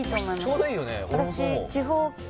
ちょうどいいよね